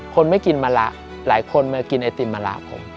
คนไม่กินมะละหลายคนมากินไอติมมะละผม